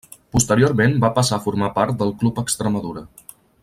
Posteriorment va passar a formar part del Club Extremadura.